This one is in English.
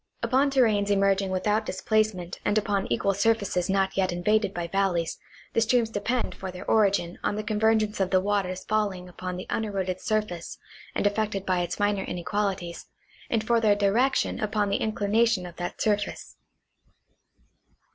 Upon terranes emerging without displacement and upon equal surfaces not yet invaded by valleys, the streams depend for their origin on the convergence of the waters falling upon the uneroded surface and affected by its minor inequalities, and for their direc tion upon the inclination of that surface.